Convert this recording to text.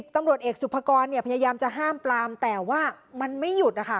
ตำรวจเอกสุภกรพยายามจะห้ามปลามแต่ว่ามันไม่หยุดนะคะ